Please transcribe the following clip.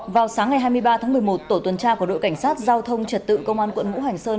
vào sáng ngày hai mươi ba tháng một mươi một tổ tuần tra của đội cảnh sát giao thông trật tự công an quận ngũ hành sơn